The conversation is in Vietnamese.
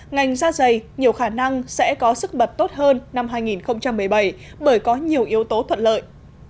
ngành da dày nhiều khả năng sẽ có sức bật tốt hơn năm hai nghìn một mươi bảy bởi có nhiều yếu tố thuận lợi